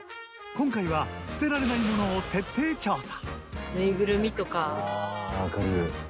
今回は捨てられない物を徹底調査。